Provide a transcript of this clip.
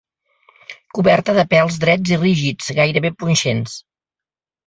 Coberta de pèls drets i rígids, gairebé punxents.